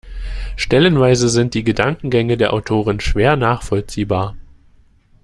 Stellenweise sind die Gedankengänge der Autorin schwer nachvollziehbar.